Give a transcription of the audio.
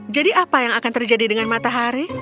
jadi apa yang akan terjadi dengan matahari